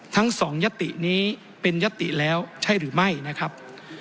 ทั้งสองยตินี้เป็นยติแล้วใช่หรือไม่นะครับ